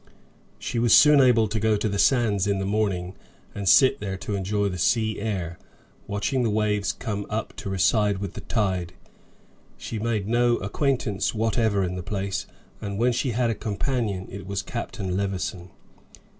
She was soon able to go to the sands in the morning and sit there to enjoy the sea air, watching the waves come up to recede with the tide. She made no acquaintance whatever in the place, and when she had a companion it was Captain Levison.